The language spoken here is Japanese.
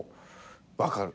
分かる？